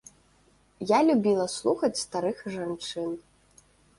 Я любіла слухаць старых жанчын.